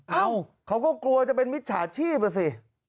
เอ้าเขาก็กลัวจะเป็นมิจฉาชีพอ่ะสิ